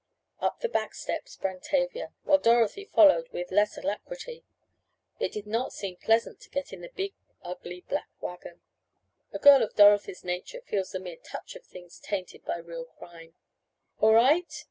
Up the back step sprang Tavia, while Dorothy followed with less alacrity it did not seem pleasant to get in the big ugly black wagon; a girl of Dorothy's nature feels the mere touch of things tainted by real crime. "All right?"